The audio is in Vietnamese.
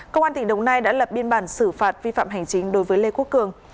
công an tỉnh đồng nai đã lập biên bản xử phạt vi phạm hành chính đối với lê quốc cường